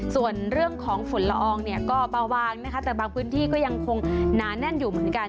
ส่วนเรื่องของฝุ่นละอองเนี่ยก็เบาบางนะคะแต่บางพื้นที่ก็ยังคงหนาแน่นอยู่เหมือนกัน